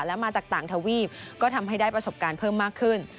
และมาจากต่างทวีปก็ทำให้ได้ประสบการณ์เพิ่มมากขึ้น